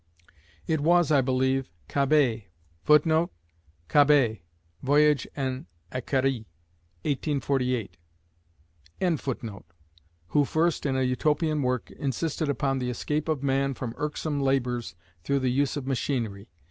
It was, I believe, Cabet [Footnote: Cabet, Voyage en Icarie, 1848.] who first in a Utopian work insisted upon the escape of man from irksome labours through the use of machinery.